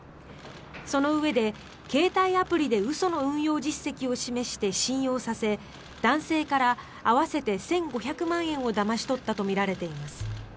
そのうえで携帯アプリで嘘の運用実績を示して信用させ男性から合わせて１５００万円をだまし取ったとみられています。